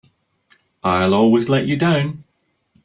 I'll always let you down!